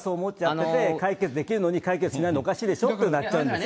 解決できるのに、解決しないのはおかしいでしょってなったんですよ。